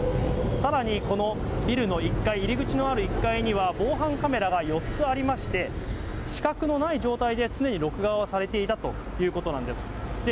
さらにこのビルの１階、入り口のある１階には、防犯カメラが４つありまして、死角のない状態で常に録画はされていたということなんです。